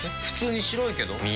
普通に白いけど。